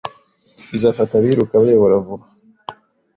Bazafata abiruka bayobora vuba.